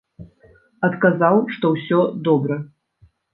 Адказаў, што ўсё добра.